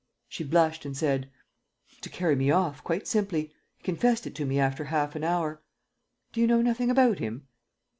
She blushed and said: "To carry me off, quite simply. He confessed it to me after half an hour. ..." "Do you know nothing about him?"